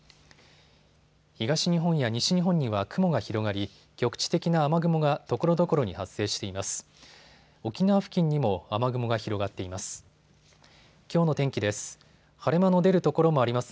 東日本や西日本には雲が広がり局地的な雨雲がところどころに発生しています。